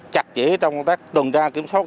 chặt chẽ trong các tuần đa kiểm soát